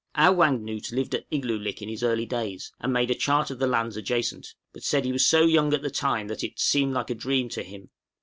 Ow wang noot lived at Igloolik in his early days, and made a chart of the lands adjacent, but said he was so young at the time that "it seemed like a dream to him."